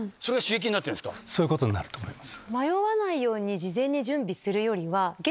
そういうことになると思います。